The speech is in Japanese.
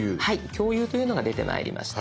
「共有」というのが出てまいりました。